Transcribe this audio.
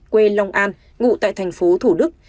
quê long an ngụ tại thành phố thủ đức